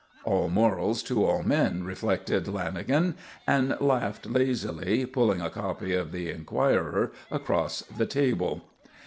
All morals to all men, reflected Lanagan, and laughed lazily, pulling a copy of the Enquirer across the table.